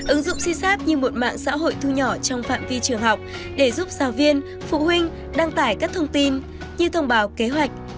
ứng dụng sysapp như một mạng xã hội thu nhỏ trong phạm vi trường học để giúp giáo viên phụ huynh đăng tải các thông tin như thông báo kế hoạch